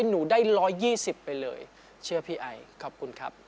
หนูได้๑๒๐ไปเลยเชื่อพี่ไอขอบคุณครับ